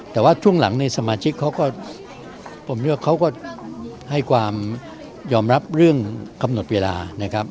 แต่ว่าช่วงหลังในสมาชิกเขาก็ผมเลือกเขาก็ให้ความยอมรับเรื่องกำหนดเวลานะครับ